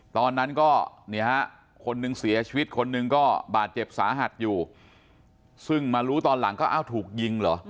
ตอนนั้นก็เนี่ยฮะคนหนึ่งเสียชีวิตคนหนึ่งก็บาดเจ็บสาหัสอยู่ซึ่งมารู้ตอนหลังก็อ้าวถูกยิงเหรอ